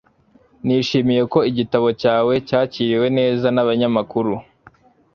nishimiye ko igitabo cyawe cyakiriwe neza nabanyamakuru